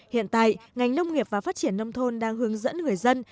hiện tại ngành nông nghiệp và phát triển nông thôn đang hướng dẫn người dân